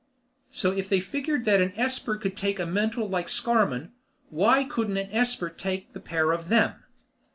So if they figured that an esper could take a mental like Scarmann, why couldn't an esper take the pair of them?